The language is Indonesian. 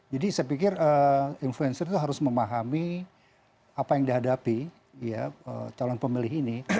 jadi saya pikir influencer itu harus memahami apa yang dihadapi calon pemilih ini